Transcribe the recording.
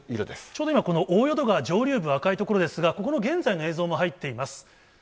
ちょうど今、この大淀川、上流部赤い所ですが、ここの現在の映像も入っています。